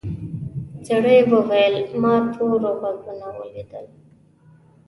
سړي وویل ما تور غوږونه ولیدل.